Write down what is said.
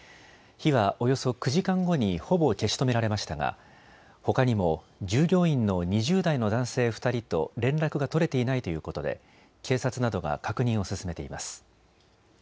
火はおよそ９時間後にほぼ消し止められましたがほかにも従業員の２０代の男性２人と連絡が取れていないということで警察などが確認を進めています。